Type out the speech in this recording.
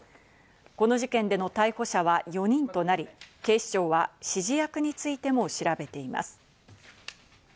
この事件での逮捕者は４人となり、警視庁は指示役についても調べています。